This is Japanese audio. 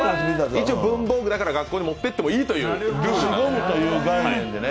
一応、文房具だから学校に持っていってもいいというルール。